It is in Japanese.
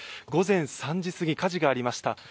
午前３時すぎ、火事がありました。